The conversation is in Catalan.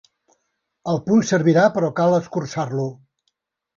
El punt servirà però cal escurçar-lo.